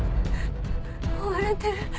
追われてる。